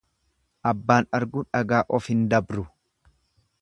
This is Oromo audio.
Abbaan argu dhagaa of hin dabru.